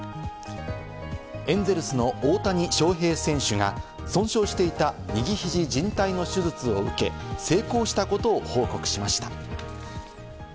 エンゼルスの大谷翔平選手が損傷していた右肘じん帯の手術を受け、成功したことを報告しました。